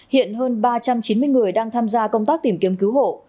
hiện hơn ba trăm chín mươi người đang tham gia công tác tìm kiếm cứu hộ